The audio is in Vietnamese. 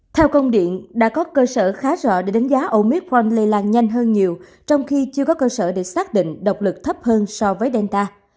theo công điện đã có cơ sở khá rõ để đánh giá omitront lây lan nhanh hơn nhiều trong khi chưa có cơ sở để xác định độc lực thấp hơn so với delta